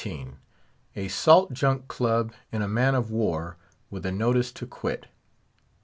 A SALT JUNK CLUB IN A MAN OF WAR, WITH A NOTICE TO QUIT.